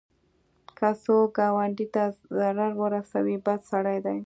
که څوک ګاونډي ته ضرر ورسوي، بد سړی دی